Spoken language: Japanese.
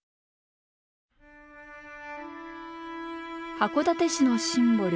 函館市のシンボル